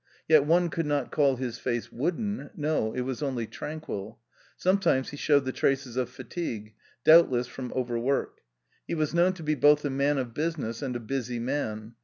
Yet one could not call his face wooden ; no, it was only tranquil. Sometimes he showed the traces of fatigue — doubtless from overwork. He was known to be both a man of business and a busy man.